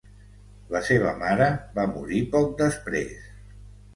La seva mare va morir poc després.